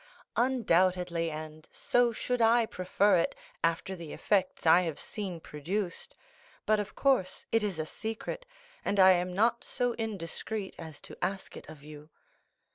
"Undoubtedly, and so should I prefer it, after the effects I have seen produced; but of course it is a secret, and I am not so indiscreet as to ask it of you."